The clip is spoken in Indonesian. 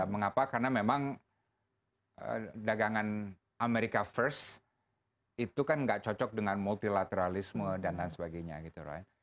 mengapa karena memang dagangan amerika first itu kan tidak cocok dengan multilateralisme dan sebagainya